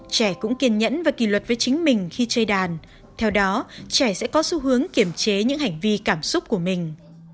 trẻ cũng kiên nhẫn và kỳ luật với chính mình khi chơi đàn theo đó trẻ sẽ có xu hướng kiềm chế những hành vi cảm xúc của mình